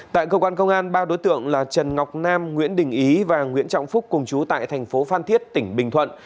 tại cơ quan công an ba đối tượng là trần ngọc nam nguyễn đình ý và nguyễn trọng phúc cùng chú tại thành phố phan thiết tỉnh bình thuận